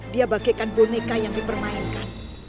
dia bagaikan boneka yang dipermainkan